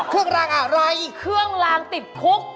เครื่องรางอะไรเครื่องลางติดคุก